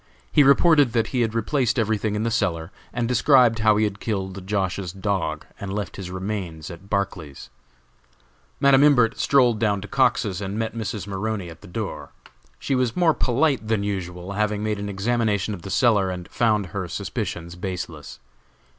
He reported that he had replaced everything in the cellar, and described how he had killed Josh.'s dog and left his remains at Barclay's. Madam Imbert strolled down to Cox's, and met Mrs. Maroney at the door. She was more polite than usual, having made an examination of the cellar and found her suspicions baseless.